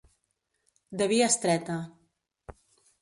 De via estreta.